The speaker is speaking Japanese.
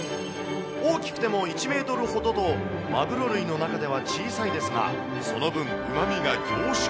大きくても１メートルほどと、マグロ類の中では小さいですが、その分うまみが凝縮。